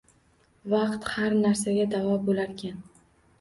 Vaqt har narsaga davo bo`larkan